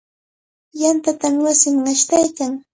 Yantatami wasinman ashtaykan.